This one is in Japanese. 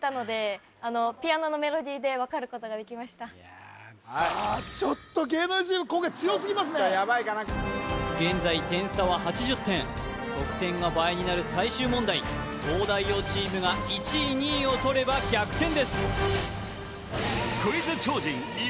私もさあちょっと芸能人チーム今回強すぎますねちょっとヤバいかな現在点差は８０点得点が倍になる最終問題東大王チームが１位２位をとれば逆転です